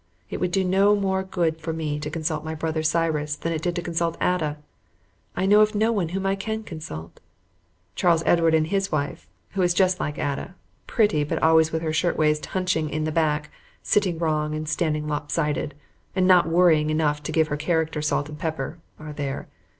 It would do no more good for me to consult my brother Cyrus than it did to consult Ada. I know of no one whom I can consult. Charles Edward and his wife, who is just like Ada, pretty, but always with her shirt waist hunching in the back, sitting wrong, and standing lopsided, and not worrying enough to give her character salt and pepper, are there.